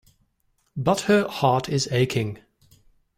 But her heart is aching.